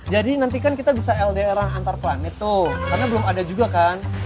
nanti kan kita bisa ldr antar planet tuh karena belum ada juga kan